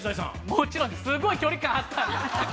もちろん、すごい距離感あったんで。